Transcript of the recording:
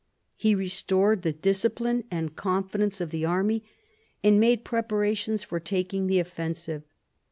He restored the discipline and confidence of the army and made preparations for taking the offensive.